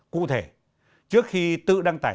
cụ thể trước khi tự đăng tải